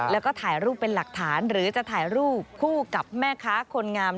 แล้วก็ถ่ายรูปเป็นหลักฐานหรือจะถ่ายรูปคู่กับแม่ค้าคนงาม